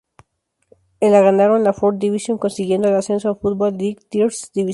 En la ganaron la Fourth Division, consiguiendo el ascenso a Football League Third Division.